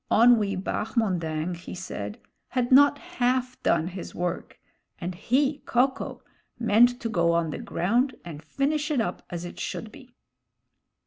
Onwee Bahmondang, he said, had not half done his work, and he, Ko ko, meant to go on the ground and finish it up as it should he.